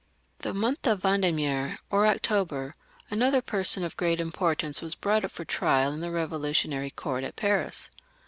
In the month of Vendemiaire or October, another per son of great importance was brought up for trial in the Eevolutionary Court at Paris.